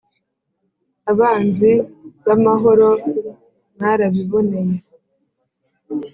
abanzi b'amahoro mwarabiboneye,